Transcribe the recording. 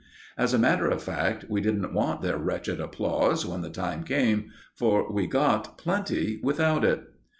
As a matter of fact, we didn't want their wretched applause when the time came, for we got plenty without it.